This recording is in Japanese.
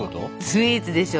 スイーツでしょ。